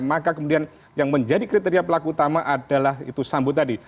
maka kemudian yang menjadi kriteria pelaku utama adalah itu sambut tadi